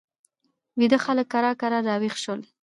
ویده خلک کرار کرار را ویښ شول.